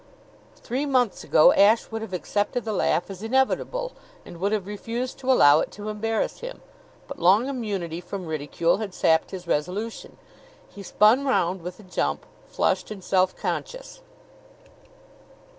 Three months ago Ashe would have accepted the laugh as inevitable, and would have refused to allow it to embarrass him; but long immunity from ridicule had sapped his resolution. He spun round with a jump, flushed and self conscious.